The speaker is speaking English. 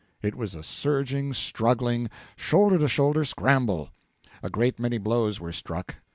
It was a surging, struggling, shoulder to shoulder scramble. A great many blows were struck.